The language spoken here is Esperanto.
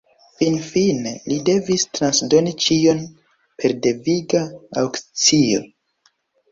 Finfine li devis transdoni ĉion per deviga aŭkcio.